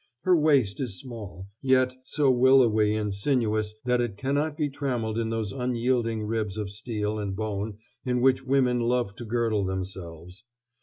Her waist is small, yet so willowy and sinuous that it cannot be trammeled in those unyielding ribs of steel and bone in which women love to girdle themselves.